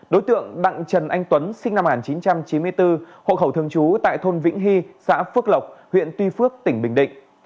đối tượng đặng trần anh tuấn sinh năm một nghìn chín trăm chín mươi bốn hộ khẩu thường trú tại thôn vĩnh hy xã phước lộc huyện tuy phước tỉnh bình định